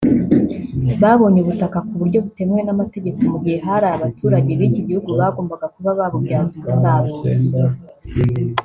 babonye ubutaka k’uburyo butemewe n’amategeko mu gihe hari abaturage b’iki gihugu bagombaga kuba babubyaza umusaruro